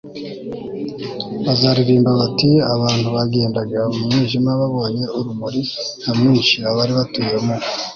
bazaririmba bati abantu bagendaga mu mwijima babonye urumuri nyamwinshi; abari batuye mu